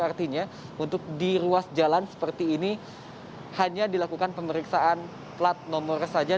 artinya untuk di ruas jalan seperti ini hanya dilakukan pemeriksaan plat nomor saja